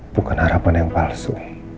bukan harapan yang palsu